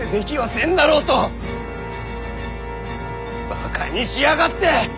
ばかにしやがって！